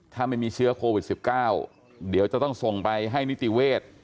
ถ้าไม่มีเชื้อโควิด๑๙เดี๋ยวจะต้องส่งไปให้นิติเวทย์